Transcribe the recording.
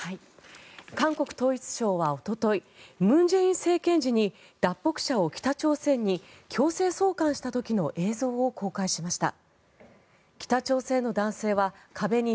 韓国統一省はおととい文在寅政権時に脱北者を北朝鮮に強制送還した時の映像を公開しました。